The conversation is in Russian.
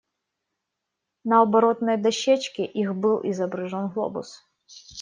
На оборотной дощечке их был изображен глобус.